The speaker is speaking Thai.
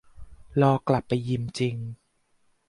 รอกลับไปยิมจริง